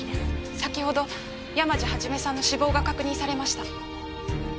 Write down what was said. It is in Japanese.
先程山路肇さんの死亡が確認されました。